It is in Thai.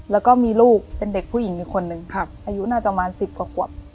แล้วก็มีลูกเป็นเด็กผู้หญิงหนึ่งคนหนึ่งครับอายุน่าจะประมาณสิบกว่าขวบ